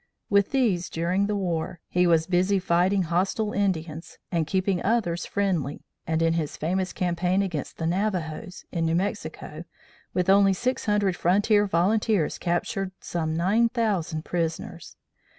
With these, during the war, he was busy fighting hostile Indians, and keeping others friendly, and in his famous campaign against the Navajos, in New Mexico, with only six hundred frontier volunteers captured some nine thousand prisoners.